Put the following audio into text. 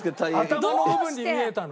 頭の部分に見えたの。